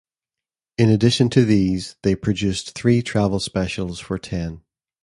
In addition to these, they produced three travel specials for Ten.